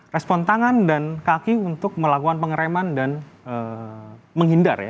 respon tangan dan kaki untuk melakukan pengereman dan menghindar ya